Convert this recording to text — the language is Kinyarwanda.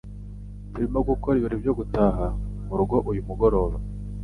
Turimo gukora ibirori byo gutaha murugo uyu mugoroba.